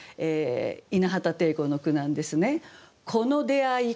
稲畑汀子の句なんですね。